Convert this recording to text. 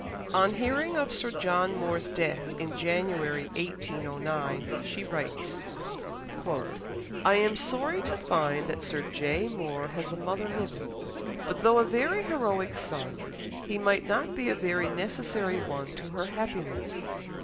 On hearing of Sir John Moore's death in January 1809, she writes: "I am sorry to find that Sir J. Moore has a mother living, but though a very heroic son, he might not be a very necessary one to her happiness....